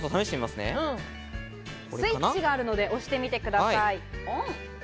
スイッチがあるので押してみてください。